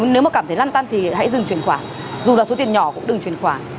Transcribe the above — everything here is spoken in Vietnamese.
nếu mà cảm thấy lăn tăn thì hãy dừng chuyển khoản dù là số tiền nhỏ cũng đừng chuyển khoản